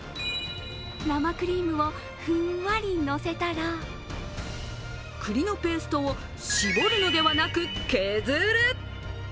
生クリームをふんわりのせたら、栗のペーストを絞るのではなく削る。